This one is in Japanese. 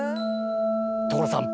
所さん！